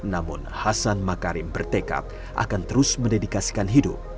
namun hasan makarim bertekad akan terus mendedikasikan hidup